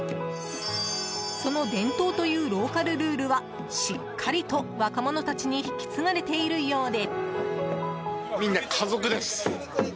その伝統というローカルルールはしっかりと若者たちに引き継がれているようで。